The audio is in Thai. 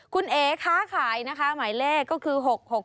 คุณเอ๋ค้าขายนะคะหมายเลขก็คือ๖๖